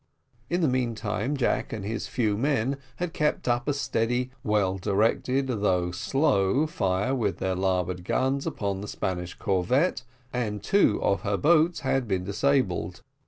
In the meantime Jack and his few men had kept up a steady, well directed, although slow, fire with their larboard guns upon the Spanish corvette; and two of her boats had been disabled.